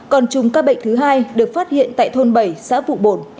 còn chùm ca bệnh thứ hai được phát hiện tại thôn bảy xã vụ bồn